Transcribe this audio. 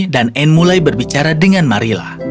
dan anne mulai berbicara dengan marilla